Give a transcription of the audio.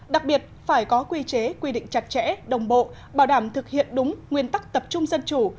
đặc biệt phải có quy chế quy định chặt chẽ đồng bộ bảo đảm thực hiện đúng nguyên tắc tập trung dân chủ